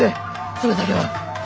それだけは。